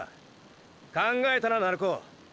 考えたな鳴子！